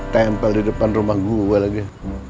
tempel di depan rumah gue lagi